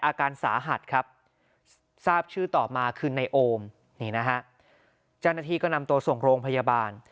อาการสาหัสครับทราบชื่อต่อมาคือในโอมนี่นะฮะเจ้าหน้าที่ก็นำตัวส่งโรงพยาบาล